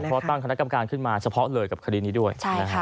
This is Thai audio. เพราะตั้งคณะกรรมการขึ้นมาเฉพาะเลยกับคดีนี้ด้วย